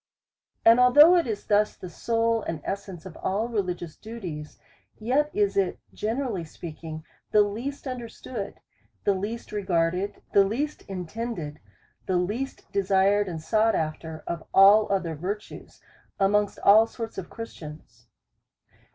And although it is thus the soul and essence of all religious duties, yet is it, generally speaking, the least understood, the least regarded, the least intended, the least desired, and sought after, of all other virtues, amongst all sorts of Christians.